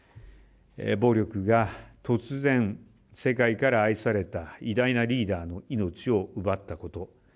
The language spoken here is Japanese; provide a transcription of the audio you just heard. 暴力が突然世界から愛された偉大なリーダーの命を奪ったこと。